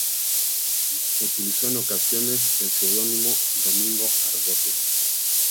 Utilizó en ocasiones el seudónimo "Domingo Argote".